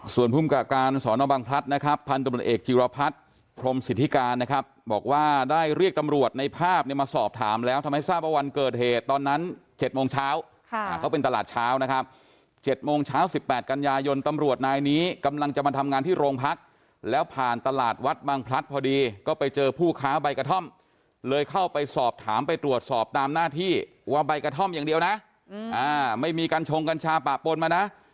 ส่วนภูมิกาการสนบังพลัทธ์นะครับพันธุบัลเอกจิราพรรดิพรมสิทธิการนะครับบอกว่าได้เรียกตำรวจในภาพเนี่ยมาสอบถามแล้วทำให้ทราบวันเกิดเหตุตอนนั้น๗โมงเช้าค่ะเขาเป็นตลาดเช้านะครับ๗โมงเช้า๑๘กันยายนตำรวจนายนี้กำลังจะมาทำงานที่โรงพักแล้วผ่านตลาดวัดบางพลัทธ์พอดีก็ไป